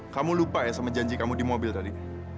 kamu lupa ya sama janji kamu di mobil tadi